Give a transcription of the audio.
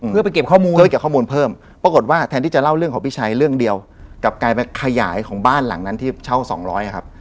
เพื่อไปเก็บข้อมูลเพื่อเก็บข้อมูลเพิ่มปรากฏว่าแทนที่จะเล่าเรื่องของพี่ชัยเรื่องเดียวกับการไปขยายของบ้านหลังนั้นที่เช่าสองร้อยครับ